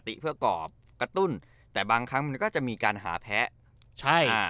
ติเพื่อกรอบกระตุ้นแต่บางครั้งมันก็จะมีการหาแพ้ใช่อ่า